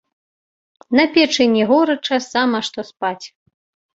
На печы не горача, сама што спаць.